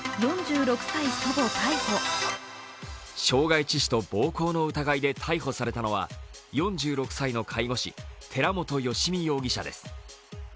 傷害致死と暴行の疑いで逮捕されたのは４６歳の介護士、寺本由美容疑者です。